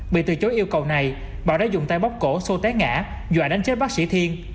bị từ chối yêu cầu này bảo đã dùng tay bóc cổ xô té ngã dọa đánh chết bác sĩ thiên